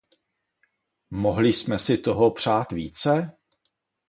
Mohli jsme si toho přát více?